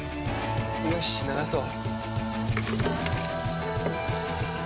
よし、長そう。